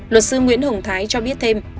luật sư nguyễn hồng thái cho biết thêm